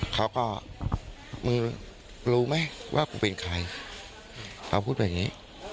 เขาก็มึงรู้ไหมว่ากูเป็นใครเขาพูดแบบนี้